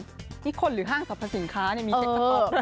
เออนี่คนหรือห้างสรรพสินค้าเนี่ยมีเช็คสต๊อก